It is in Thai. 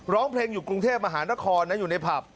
ร้องเพลงอยู่กรุงเทพมหานครนะอยู่ในผับ